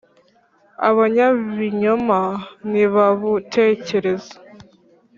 abanyabinyoma ntibabutekereza